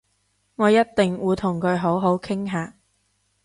我一定會同佢好好傾下